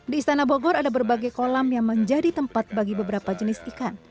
di istana bogor ada berbagai kolam yang menjadi tempat bagi beberapa jenis ikan